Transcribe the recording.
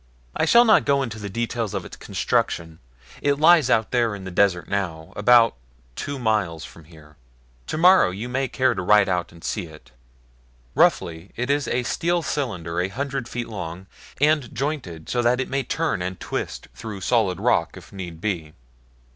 I shall not go into the details of its construction it lies out there in the desert now about two miles from here. Tomorrow you may care to ride out and see it. Roughly, it is a steel cylinder a hundred feet long, and jointed so that it may turn and twist through solid rock if need be.